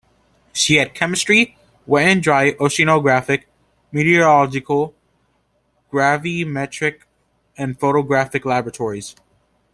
She had chemistry, wet and dry oceanographic, meteorological, gravimetric, and photographic laboratories.